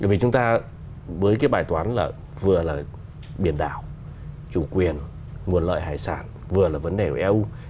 vì chúng ta với cái bài toán là vừa là biển đảo chủ quyền nguồn lợi hải sản vừa là vấn đề của eu